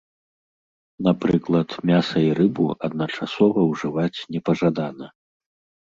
Напрыклад, мяса і рыбу адначасова ўжываць непажадана.